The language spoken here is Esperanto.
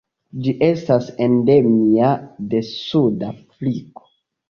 Ĝi estas endemia de suda Afriko.